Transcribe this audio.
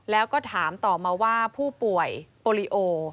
แล้วก็ถามต่อมาว่าผู้ป่วยโปรลิโอ